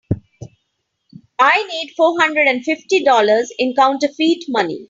I need four hundred and fifty dollars in counterfeit money.